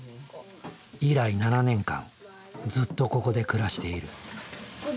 以来７年間ずっとここで暮らしている。